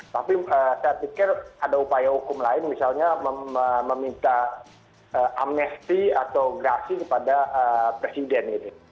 tapi saya pikir ada upaya hukum lain misalnya meminta amnesti atau grasi kepada presiden